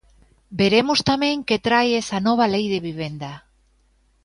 Veremos tamén que trae esa nova Lei de vivenda.